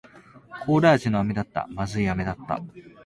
コーラ味の飴だった。不味い飴だった。